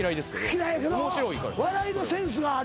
嫌いやけど笑いのセンスがある。